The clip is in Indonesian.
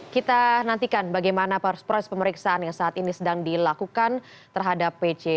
kita nantikan bagaimana proses pemeriksaan yang saat ini sedang dilakukan terhadap pc